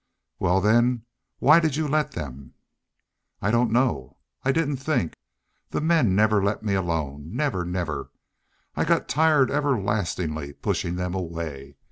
"Wal, then, why did you let them? "I I don't know.... I didn't think. The men never let me alone never never! I got tired everlastingly pushin' them away.